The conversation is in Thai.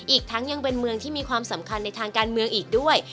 อีกทั้งยังเป็นเมืองที่มีความสำคัญในทางการเมืองอีกด้วย